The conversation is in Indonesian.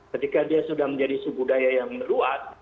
ketika dia sudah menjadi sub budaya yang luas